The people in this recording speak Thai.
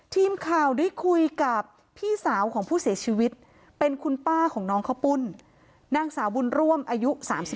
ทีมข่าวได้คุยกับพี่สาวของผู้เสียชีวิตเป็นคุณป้าของน้องข้าวปุ้นนางสาวบุญร่วมอายุ๓๒